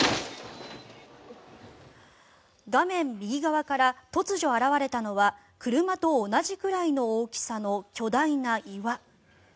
画面右側から突如現れたのは車と同じくらいの大きさの巨大な岩。